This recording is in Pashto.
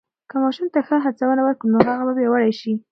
که ماشوم ته ښه هڅونه ورکو، نو هغه به پیاوړی شي.